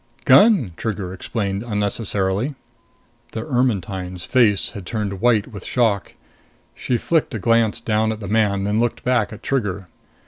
"Gun," Trigger explained unnecessarily. The Ermetyne's face had turned white with shock. She flicked a glance down at the man, then looked back at Trigger.